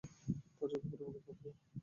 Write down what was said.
পর্যাপ্ত পরিমাণের পাথেয়ও দিলেন।